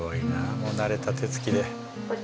もう慣れた手つきで。